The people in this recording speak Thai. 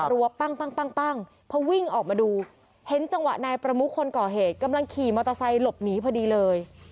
ปั้งเพราะวิ่งออกมาดูเห็นจังหวะนายประมุกคนก่อเหตุกำลังขี่มอเตอร์ไซค์หลบหนีพอดีเลย